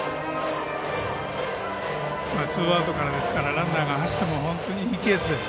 ツーアウトからですからランナーが走ってもいいペースです。